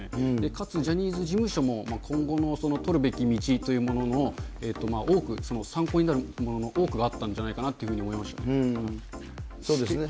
かつ、ジャニーズ事務所も今後の取るべき道というものの多く、その参考になるものの多くがあったんじゃないかなというふうに思そうですね。